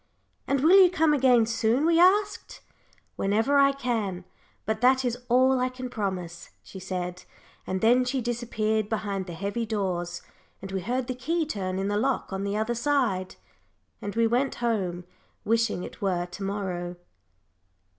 "And will you come again soon?" we asked. "Whenever I can, but that is all I can promise," she said, and then she disappeared behind the heavy doors, and we heard the key turn in the lock on the other side. And we went home, wishing it were to morrow.